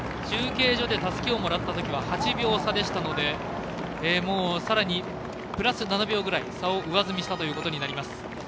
中継所でたすきをもらったときは８秒差でしたのでもう、さらにプラス７秒ぐらい差を上積みしたということになります。